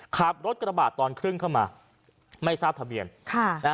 ขับรถกระบาดตอนครึ่งเข้ามาไม่ทราบทะเบียนค่ะนะฮะ